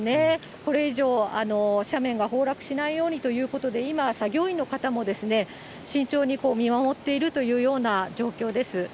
これ以上、斜面が崩落しないようにということで、今、作業員の方もですね、慎重に見守っているというような状況です。